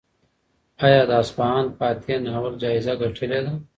ایا د اصفهان فاتح ناول جایزه ګټلې ده؟